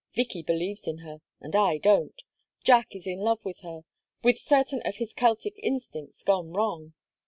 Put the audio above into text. Vicky believes in her and I don't. Jack is in love with her with certain of his Celtic instincts gone wrong."